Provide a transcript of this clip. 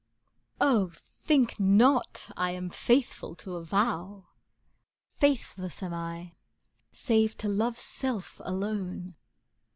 III Oh, think not I am faithful to a vow! Faithless am I save to love's self alone.